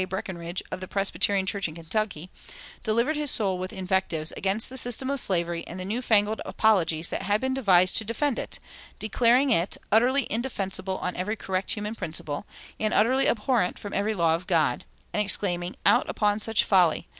Breckinridge, of the Presbyterian Church in Kentucky, delivered his soul with invectives against the system of slavery and the new fangled apologies that had been devised to defend it, declaring it "utterly indefensible on every correct human principle, and utterly abhorrent from every law of God," and exclaiming, "Out upon such folly!